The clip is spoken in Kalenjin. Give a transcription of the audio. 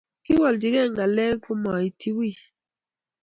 Kowaljige ngalek komaitin wiy